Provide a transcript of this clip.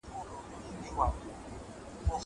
که وخت وي، سبزېجات وچوم!!